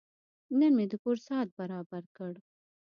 نن مې د کور ساعت برابر کړ.